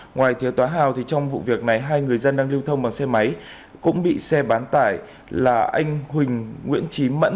ngoài thiếu tá hào trong vụ việc này hai người dân đang lưu thông bằng xe máy cũng bị xe bán tải là anh huỳnh nguyễn trí mẫn